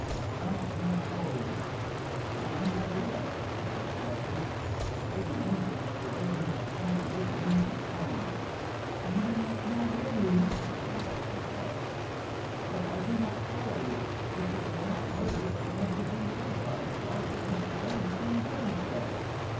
Frank leaned forward. "My own idea!" he said, quietly. Lady Dinsmore surveyed him with faint, good humoured scorn. "You do not know Gregory," she said, after a pause. "But I do not follow you! If it was not murder it must have been suicide. But why should Mr. Farrington kill himself?"